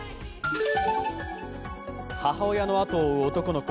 母親の後を追う男の子。